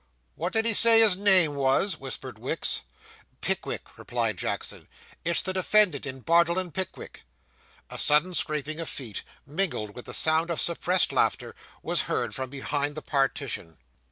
'What did he say his name was?' whispered Wicks. 'Pickwick,' replied Jackson; 'it's the defendant in Bardell and Pickwick.' A sudden scraping of feet, mingled with the sound of suppressed laughter, was heard from behind the partition.